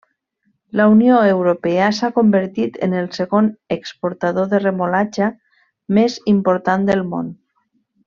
La Unió Europea s'ha convertit en el segon exportador de remolatxa més important del món.